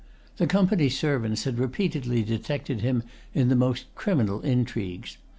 The Company's servants had repeatedly detected him in the most criminal intrigues.